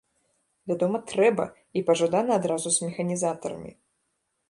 Вядома, трэба, і пажадана адразу з механізатарамі!